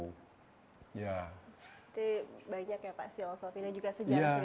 itu banyak ya pak filosofinya